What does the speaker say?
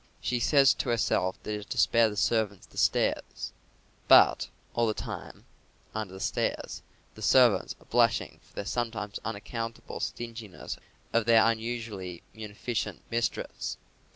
She says to herself that it is to spare the servants the stairs; but, all the time, under the stairs, the servants are blushing for the sometimes unaccountable stinginess of their unusually munificent mistress.